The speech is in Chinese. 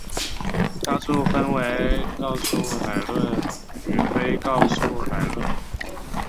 告诉分为告诉乃论与非告诉乃论。